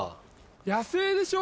野生でしょ？